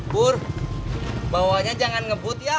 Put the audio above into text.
bur bawanya jangan ngebut ya